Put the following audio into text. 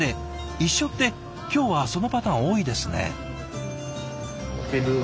一緒って今日はそのパターン多いですね。